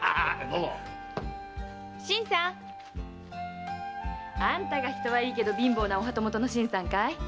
・新さん！あんたが人はいいけど貧乏なお旗本の新さんかい？